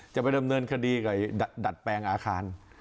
จะไปดำเนินคดีกับดัดแปลงอาคาร